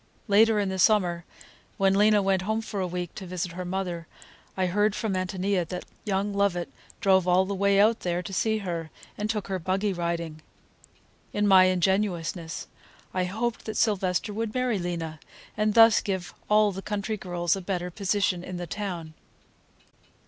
Later in the summer, when Lena went home for a week to visit her mother, I heard from Ántonia that young Lovett drove all the way out there to see her, and took her buggy riding. In my ingenuousness I hoped that Sylvester would marry Lena, and thus give all the country girls a better position in the town.